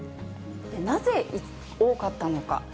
なぜ多かったのか。